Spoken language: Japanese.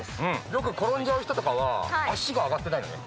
よく転んじゃう人とかは足が上がってないのね。